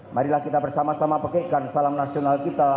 marilah kita bersama sama pakaikan salam nasional kita